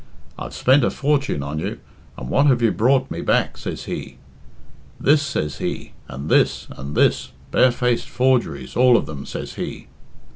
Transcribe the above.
'I've spent a fortune on you, and what have you brought me back?' says he. 'This,' says he, 'and this and this barefaced forgeries, all of them!' says he."